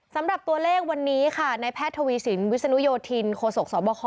สำหรับตัวเลขวันนี้ค่ะในแพทย์ทวีสินวิศนุโยธินโคศกสบค